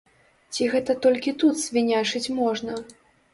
Ці гэта толькі тут свінячыць можна?